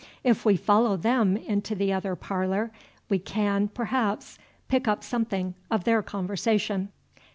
If we follow them into the other parlor, we can, perhaps, pick up something of their conversation.